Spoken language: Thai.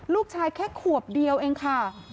ลูกชายแค่ขวบเดียวเองค่ะ